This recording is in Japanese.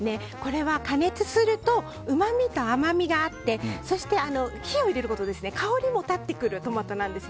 加熱するとうまみと甘みがあってそして、火を入れることで香りも立ってくるトマトなんです。